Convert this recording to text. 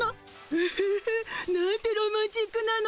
ウフフなんてロマンチックなの。